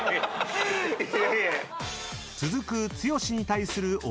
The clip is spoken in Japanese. ［続く剛に対するお題は？］